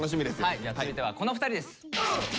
じゃあ続いてはこの２人です。